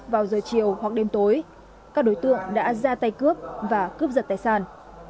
vào giờ chiều hoặc đêm tối các đối tượng đã ra tay cướp và cướp giật tài sản